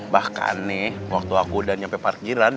bahkan nih waktu aku udah nyampe parkiran